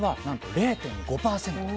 ０．５％。